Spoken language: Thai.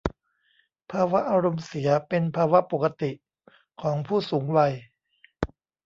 ภาวะอารมณ์เสียเป็นภาวะปกติของผู้สูงวัย